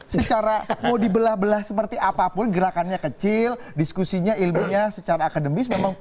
secara mau dibelah belah seperti apapun gerakannya kecil diskusinya ilmunya secara akademis memang